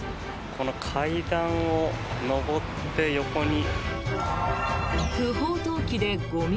この階段を上って横に。